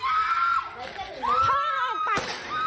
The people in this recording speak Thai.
บอกแล้วบอกแล้วบอกแล้ว